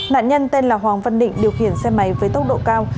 nạn nhân tên là hoàng văn định điều khiển xe máy với tốc độ cao